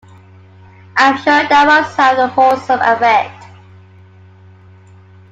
I’m sure that must have a wholesome effect.